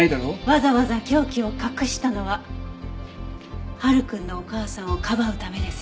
わざわざ凶器を隠したのは晴くんのお母さんをかばうためですよね？